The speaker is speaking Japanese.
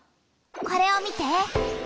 これを見て。